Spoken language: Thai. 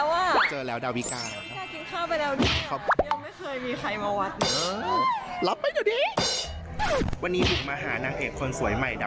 ว่าเอวของนาย๒๒จริงหรือเปล่า